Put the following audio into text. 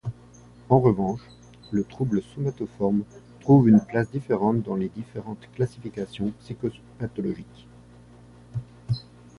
En revanche, le trouble somatoforme trouve une place différente dans les différentes classifications psychopathologiques.